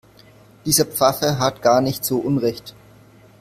Dieser Pfaffe hat gar nicht so Unrecht.